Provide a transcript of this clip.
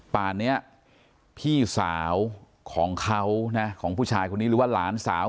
ป่านนี้พี่สาวของเขานะของผู้ชายคนนี้หรือว่าหลานสาว